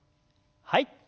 はい。